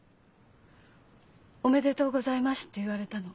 「おめでとうございます」って言われたの。